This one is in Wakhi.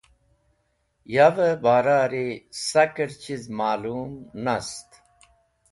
Yavẽ barari sakẽr chiz malũm nast.